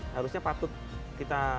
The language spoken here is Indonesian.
harusnya patut kita